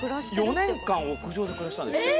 ４年間屋上で暮らしたんですって。